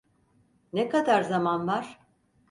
Ne kadar zaman var?